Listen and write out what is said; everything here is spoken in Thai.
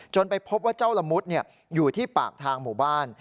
ไปพบว่าเจ้าละมุดอยู่ที่ปากทางหมู่บ้าน